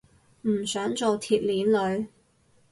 唔想做鐵鏈女